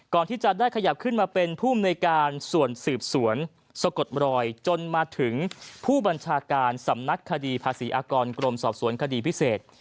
ก่อนที่จะได้ขยับขึ้นมาเป็นภูมิในการส่วนสืบสวนสะกดรอยจนมาถึงผู้บัญชาการสำนักคดีภาษีอากรกรมสอบสวนคดีพิเศษ